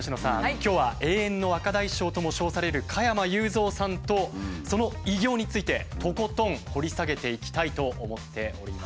今日は「永遠の若大将」とも称される加山雄三さんとその偉業についてとことん掘り下げていきたいと思っております。